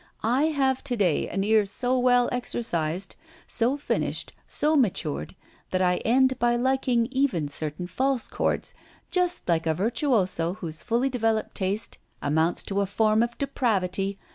I have to day an ear so well exercised, so finished, so matured, that I end by liking even certain false chords, just like a virtuoso whose fully developed taste amounts to a form of depravity.